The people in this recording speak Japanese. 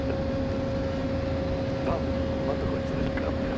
まんまとこいつら引っ掛かったよ。